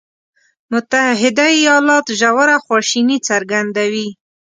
متحده ایالات ژوره خواشیني څرګندوي.